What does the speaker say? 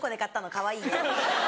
かわいいね」。